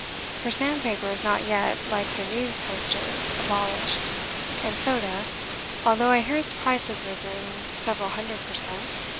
For sandpaper is not yet (like the news posters) abolished; and soda although I hear its price has risen several hundred per cent.